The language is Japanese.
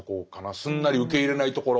すんなり受け入れないところ。